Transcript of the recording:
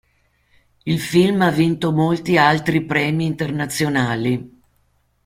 Il film ha vinto molti altri premi internazionali.